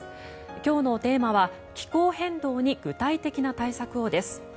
今日のテーマは「気候変動に具体的な対策を」です。